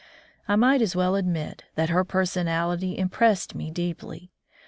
I might as well admit that her personality impressed me deeply.